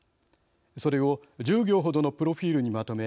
それを１０行ほどのプロフィールにまとめ